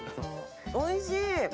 おいしい！